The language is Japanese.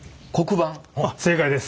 正解です！